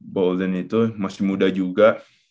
bolden itu masih muda juga